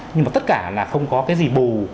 nhưng mà tất cả là không có cái gì bù